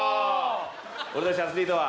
俺たちアスリートは。